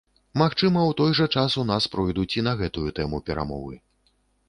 Магчыма, у той жа час у нас пройдуць і на гэтую тэму перамовы.